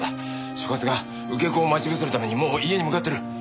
所轄が受け子を待ち伏せるためにもう家に向かってる！